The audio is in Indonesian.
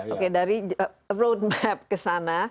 oke dari road map ke sana